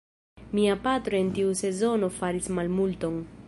Mia patro en tiu sezono faris malmulton.